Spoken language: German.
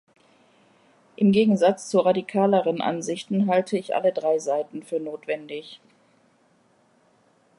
Im Gegensatz zu radikaleren Ansichten halte ich alle drei Seiten für notwendig.